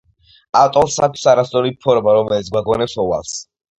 ატოლს აქვს არასწორი ფორმა, რომელიც გვაგონებს ოვალს.